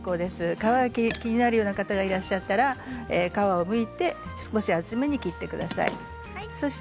皮が気になるような方がいらっしゃったら皮をむいて少し厚めに切ってください。